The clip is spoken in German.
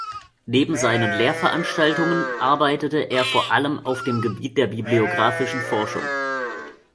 Neben seinen Lehrveranstaltungen arbeitete er vor allem auf dem Gebiet der bibliographischen Forschung.